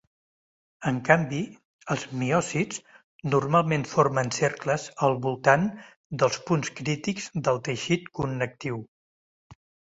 En canvi, els miòcits normalment formen cercles al voltant dels punts crítics del teixit connectiu.